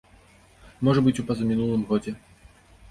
Можа быць, у пазамінулым годзе.